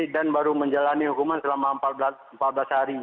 dan baru menjalani hukuman selama empat belas hari